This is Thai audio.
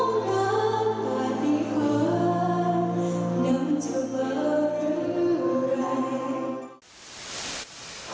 น้ำจะเบาหรือไร